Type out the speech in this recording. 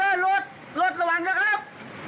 เห็นโอ่งไหมครับ